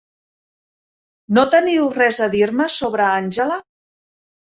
No teniu res a dir-me sobre Àngela?